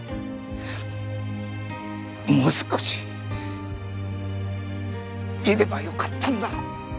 もう少しいればよかったんだ俺。